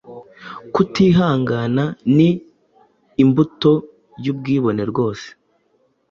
Kutihangana ni imbuto y’ubwibone rwose.